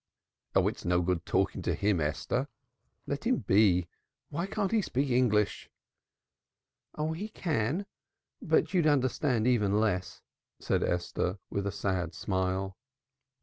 "Oh, it's no use talking to him, Esther. Let him be. Why can't he speak English?" "He can but you'd understand even less," said Esther with a sad smile.